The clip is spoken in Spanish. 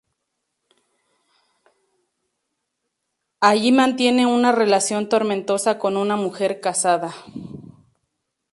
Allí mantiene una relación tormentosa con una mujer casada.